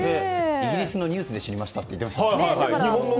イギリスのニュースで知りましたって言ってましたね。